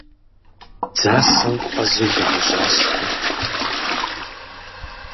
Дзасэм фӏэзу лы гъэжьа сшхынт!